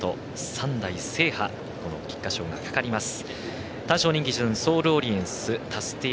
３代制覇、菊花賞がかかります。